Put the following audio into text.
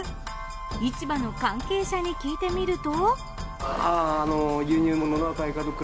市場の関係者に聞いてみると。